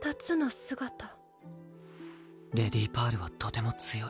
レディパールはとても強い。